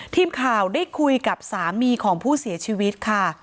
ทีมข่าวได้คุยกับสามีของผู้เสียชีวิตค่ะ